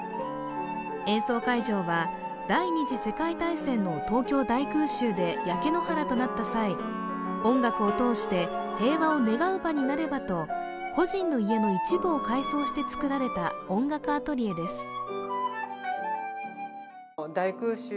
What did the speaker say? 演奏会場は、第二次世界大戦の東京大空襲で焼け野原となった際、音楽を通して平和を願う場になればと個人の家の一部を改装して造られた音楽アトリエです。